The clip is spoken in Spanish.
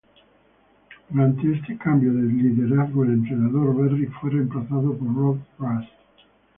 Durante este cambio de liderazgo, el entrenador Berry fue remplazado por Rod Rust.